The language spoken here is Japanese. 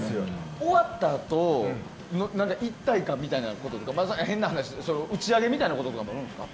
終わったあと一体感みたいなこととか打ち上げみたいなことあるんですか？